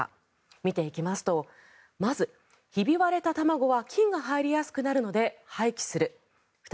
見ていきますとまず、ひび割れた卵は菌が入りやすくなるので廃棄する。